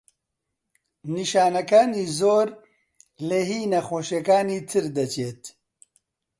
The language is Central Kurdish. نیشانەکانی زۆر لە هی نەخۆشییەکانی تر دەچێت.